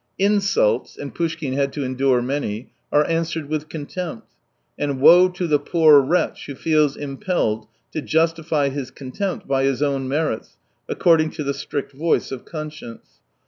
Insults— and Poushkin had to endure many — are answered with contempt ; and woe to the poor wretch who feels impelled to justify his contempt by his own merits, according to the stern voice of conscience.